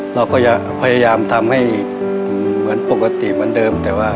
เราก็จะพยายามทำให้เหมือนปกติเหมือนเดิมแต่ว่า